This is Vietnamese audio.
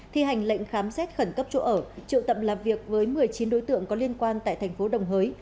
thi hành lệnh khám xét khẩn cấp chỗ ở triệu tập làm việc với một mươi chín đối tượng có liên quan tại thành phố đồng hới